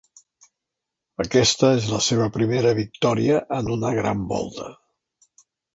Aquesta és la seva primera victòria en una gran volta.